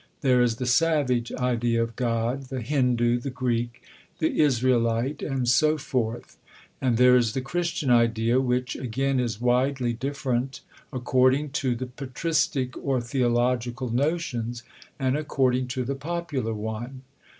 There is the Savage idea of God, the Hindoo, the Greek, the Israelite, and so forth; and there is the Christian idea, which again is widely different according to the patristic or theological notions, and according to the popular one.